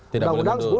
tidak boleh mengandung